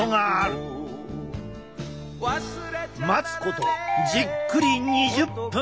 待つことじっくり２０分。